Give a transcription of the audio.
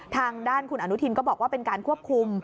ทางด้านคุณอนุทินก็บอกว่าเป็นการควบคุม